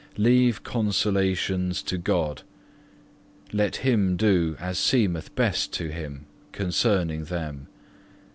Leave consolations to God, let Him do as seemeth best to Him concerning them.